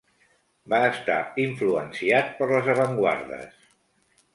Va estar influenciat per les avantguardes.